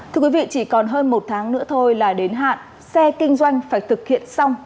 thưa quý vị chỉ còn hơn một tháng nữa thôi là đến hạn xe kinh doanh phải thực hiện xong